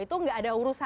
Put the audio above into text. itu gak ada urusan